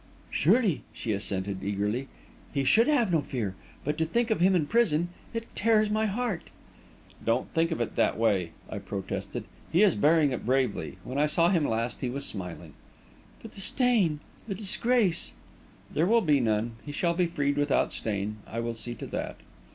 "Surely," she assented, eagerly, "he should have no fear. But to think of him in prison it tears my heart!" "Don't think of it that way!" I protested. "He is bearing it bravely when I saw him last, he was smiling." "But the stain the disgrace." "There will be none; he shall be freed without stain I will see to that."